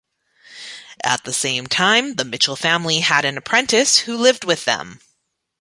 At the same time, the Mitchell family had an apprentice who lived with them.